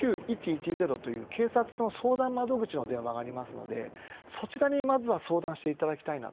９１１０という警察の相談窓口の電話がありますのでそちらに、まずは相談して＃